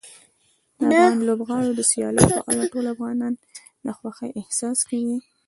د افغان لوبغاړو د سیالیو په اړه ټول افغانان د خوښۍ احساس کوي.